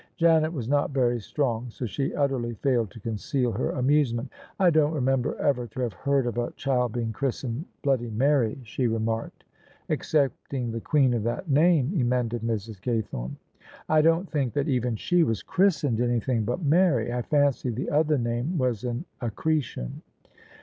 Janet was not very strong, so she utterly failed to conceal her amusement. " I don't remember ever to have heard of a child being christened Bloody Mary," she remarked. " Excepting the queen of that name," emended Mrs. Gaythorne. " I don't think that even she was christened anything but Mary. I fancy the other name was an accretion."